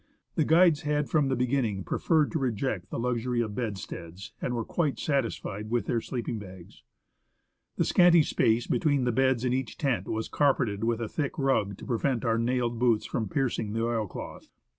The guides had from the beginning preferred to reject the luxury of bedsteads, and were quite satisfied with their sleeping bags. The scanty space between the beds in each tent was carpeted with a thick rug to prevent our nailed boots from piercing the oilcloth.